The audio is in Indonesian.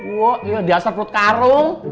wah iya dasar perut karung